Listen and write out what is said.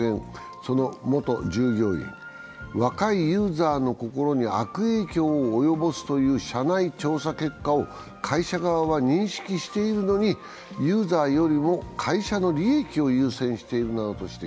その元従業員、若いユーザーの心に悪影響を及ぼすという社内調査結果を会社側は認識しているのにユーザーよりも会社の利益を優先しているなどと指摘。